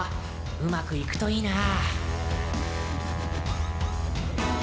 うまくいくといいな。